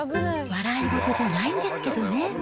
笑い事じゃないんですけどね。